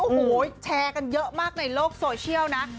โอ้โหแชร์กันเยอะมากในโลกโซเชียลนะ